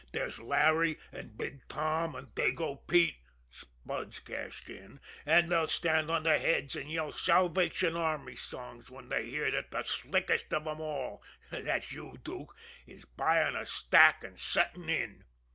There's Larry, an' Big Tom, an' Dago Pete Spud's cashed in an' they'll stand on their heads an' yell Salvation Army songs when they hear that de slickest of 'em all that's you, Dook is buyin' a stack an' settin' in."